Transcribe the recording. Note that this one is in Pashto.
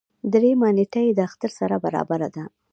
دريیمه نېټه یې د اختر سره برابره ده.